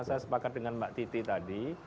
saya sepakat dengan mbak titi tadi